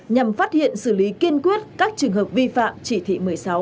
nhằm phát hiện xử lý kiên quyết các trường hợp vi phạm chỉ thị một mươi sáu